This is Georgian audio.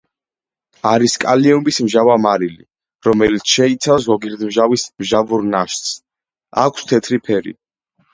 არის კალიუმის მჟავა მარილი, რომელიც შეიცავს გოგირდმჟავის მჟავურ ნაშთს, აქვს თეთრი ფერი.